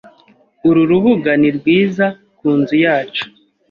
Uru rubuga ni rwiza ku nzu yacu.